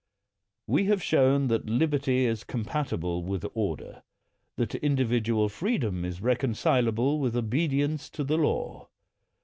We have showTi that liberty is compatible with order; that indi\ddual freedom is reconcilable with obedience to the law.